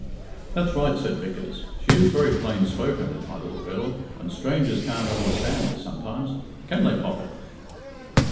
"That's right," said Vickers. "She is very plain spoken, is my little girl, and strangers can't understand her sometimes. Can they, Poppet?"